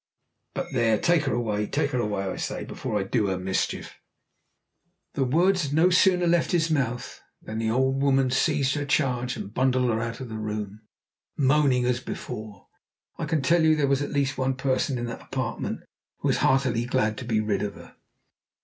You but there, take her away take her away, I say, before I do her mischief." The words had no sooner left his mouth than the old woman seized her charge and bundled her out of the room, moaning as before. I can tell you there was at least one person in that apartment who was heartily glad to be rid of her.